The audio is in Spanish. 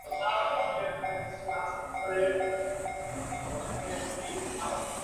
Ella es una de las mayores figuras de la danza contemporánea belga y mundial.